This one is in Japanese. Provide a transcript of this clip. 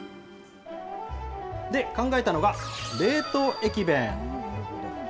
で、考えたのが冷凍駅弁。